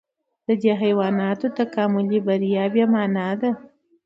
د دې حیواناتو تکاملي بریا بې مانا ده.